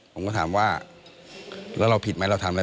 ผมก็ถามว่าแล้วเราผิดไหมเราทำอะไร